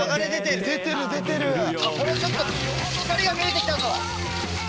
これちょっと光が見えてきたぞ。